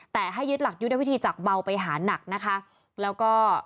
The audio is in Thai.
แต่ให้ยึดหลักยุทธวิธีจากเบาไปหานักนะคะแล้วก็